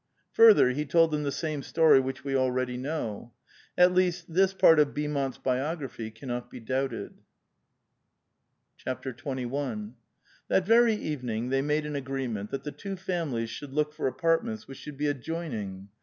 Further, he told them the same story which we already know. At least, this part of Beaumont's biography cannot be doubted. xxr. That very evening they made an agreement that the two families should look for apartments which should be adjoin ing.